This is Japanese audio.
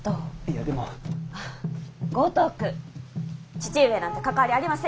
父上なんて関わりありませんよ。